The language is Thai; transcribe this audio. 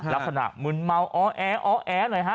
รับธนาคมมืนเมาอ๋อแอหน่อยฮะ